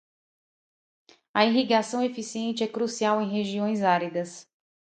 A irrigação eficiente é crucial em regiões áridas.